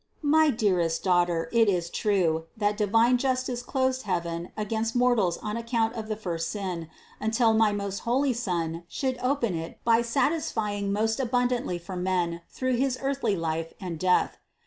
339. My dearest daughter, it is true, that divine jus tice closed heaven against mortals on account of the first sin, until my most holy Son should open it by satisfying most abundantly for men through his earthly life and death.